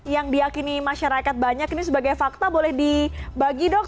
yang diakini masyarakat banyak ini sebagai fakta boleh dibagi dok